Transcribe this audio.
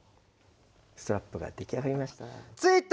ストラップが出来上がりました。